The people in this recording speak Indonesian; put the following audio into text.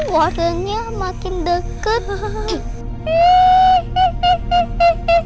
warnanya makin deket